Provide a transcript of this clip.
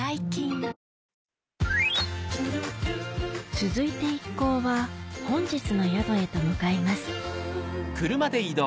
続いて一行は本日の宿へと向かいます